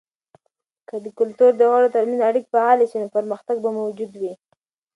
که د کلتور د غړو ترمنځ اړیکې فعاله سي، نو پرمختګ به موجود وي.